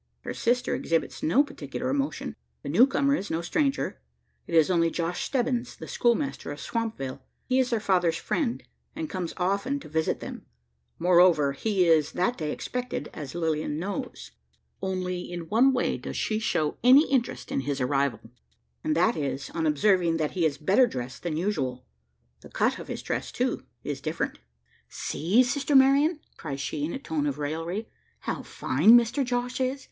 Her sister exhibits no particular emotion. The new comer is no stranger: it is only Josh Stebbins, the schoolmaster of Swampville. He is their father's friend, and comes often to visit them: moreover, he is that day expected, as Lilian knows. Only in one way does she show any interest in his arrival; and that is, on observing that he is better dressed than usual. The cut of his dress too, is different. "See, sister Marian!" cries she in a tone of raillery, "how fine Mister Josh is!